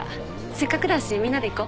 せっかくだしみんなで行こ。